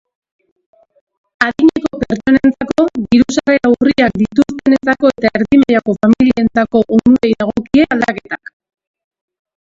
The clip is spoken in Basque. Adineko pertsonentzako, diru-sarrera urriak dituztenentzako eta erdi mailako familientzako onurei dagokie aldaketak.